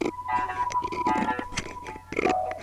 ښوروا بې مالګي نه پخېږي.